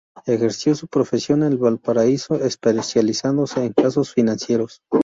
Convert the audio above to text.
Ejerció su profesión en Valparaíso, especializándose en casos financieros.